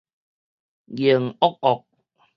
凝惡惡